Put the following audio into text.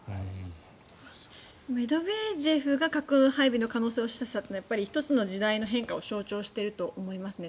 メドベージェフが核なき世界の可能性を示したのは１つの時代の変化を象徴していると思います。